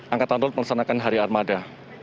angkatan rol pelesanakan hari armada